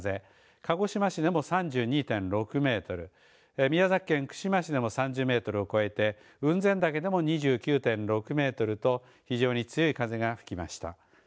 鹿児島市でも３２．６メートル宮崎県串間市でも３０メートルを超えて雲仙岳でも２９．６メートルと非常に強い風が吹きました。